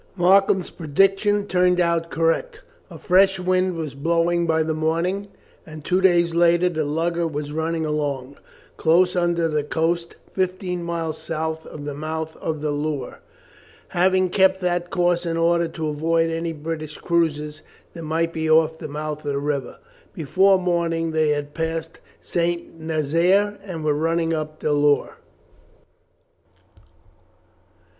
Markham's prediction turned out correct. A fresh wind was blowing by the morning, and two days later the lugger was running along, close under the coast, fifteen miles south of the mouth of the Loire, having kept that course in order to avoid any British cruisers that might be off the mouth of the river. Before morning they had passed St. Nazaire, and were running up the Loire.